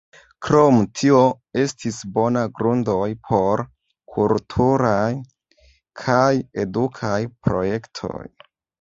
Krom tio estis bona grundo por kulturaj kaj edukaj projektoj.